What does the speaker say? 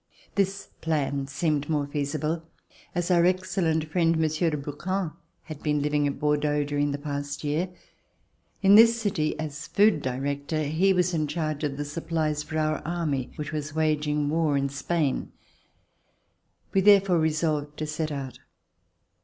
This plan seemed the more feasible, as our excellent friend. Monsieur de Brouquens, had been living at Bordeaux during the past year. In this city, as Food Director, he was in charge of the supplies Chi] RECOLLECTIONS OF THE REVOLUTION for our army which was waging war in Spain. We therefore resolved to set out.